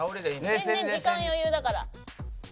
全然時間余裕だから。